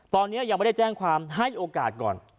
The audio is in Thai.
ตอนนี้ยังไม่ได้แจ้งความให้โอกาสก่อน